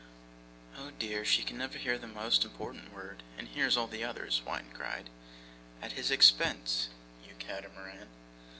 'Oh dear! she can never hear the most important word, and hears all the others!' whined Gride. 'At his expense you catamaran!